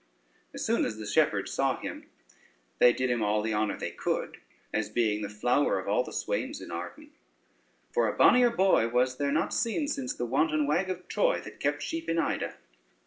As soon as the shepherds saw him, they did him all the honor they could, as being the flower of all the swains in Arden; for a bonnier boy was there not seen since that wanton wag of Troy that kept sheep in Ida.